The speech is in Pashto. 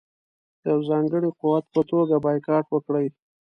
د یوه ځانګړي قوت په توګه بایکاټ وکړي.